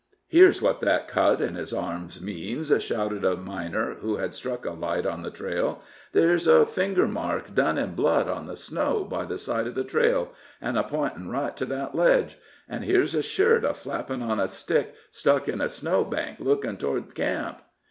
"Here's what that cut in his arm means," shouted a miner who had struck a light on the trail; "there's a finger mark, done in blood on the snow, by the side of the trail, an' a pintin' right to that ledge; an' here's his shirt a flappin' on a stick stuck in a snow bank lookin' t'ward camp."